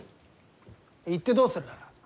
行ってどうする？